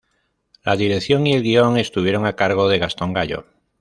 La dirección y el guion estuvieron a cargo de Gastón Gallo.